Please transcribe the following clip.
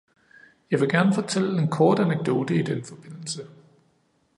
Jeg vil gerne fortælle en kort anekdote i denne forbindelse.